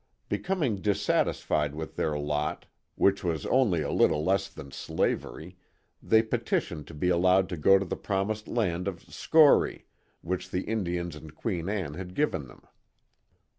Becoming dissatisfied with their lot, 6 82 The Mohawk Valley which was only a little less than slavery, they petitioned to be allowed to go to the promised land of " Schorie," w^hich the Indians and Queen Anne had given them.